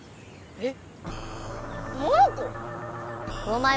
えっ？